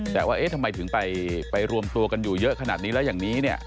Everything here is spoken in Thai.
แต่ว่าเอ๊ะทำไมถึงไปรวมตัวกันอยู่เยอะขนาดนี้แล้วอย่างนี้เนี่ย